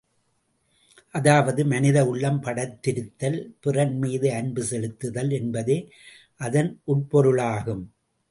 அதாவது மனித உள்ளம் படைத்திருத்தல், பிறன் மீது அன்பு செலுத்துதல் என்பதே அதன் உட்பொருளாகும்!